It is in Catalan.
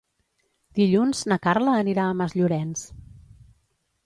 Dilluns na Carla anirà a Masllorenç.